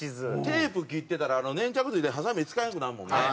テープ切ってたら粘着付いてハサミ使えなくなるもんね。